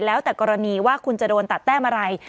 แล้วแต่กรณีว่าคุณจะโดนตัดแต้มอะไร